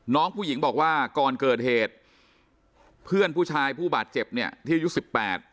น้องผู้หญิงบอกว่าก่อนเกิดเหตุเพื่อนผู้ชายผู้บาดเจ็บเนี่ยที่อายุสิบแปด